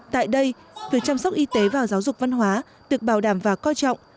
tại đây việc chăm sóc y tế và giáo dục văn hóa được bảo đảm và coi trọng